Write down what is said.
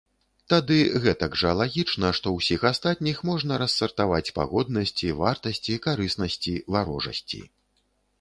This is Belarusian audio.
Тады гэтак жа лагічна, што ўсіх астатніх можна рассартаваць па годнасці, вартасці, карыснасці, варожасці.